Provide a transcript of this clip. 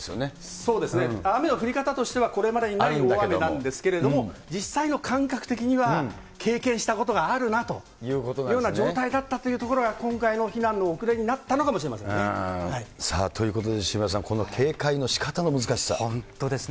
そうですね、雨の降り方としてはこれまでにない大雨なんですけれども、実際の感覚的には、経験したことがあるなというような状態だったというところが、今回の避難の遅れになったのかもしれませんね。ということで、渋谷さん、本当ですね。